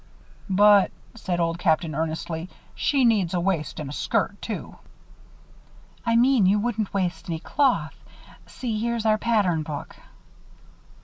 "But," said Old Captain, earnestly, "she needs a waist and a skirt, too." "I mean, you wouldn't waste any cloth. See, here's our pattern book."